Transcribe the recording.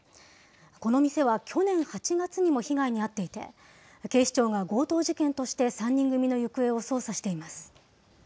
この店は去年８月にも被害に遭っていて、警視庁が強盗事件として３人組の行方を捜査しています。